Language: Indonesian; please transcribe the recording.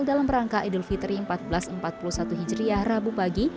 dalam rangka idul fitri seribu empat ratus empat puluh satu hijriah rabu pagi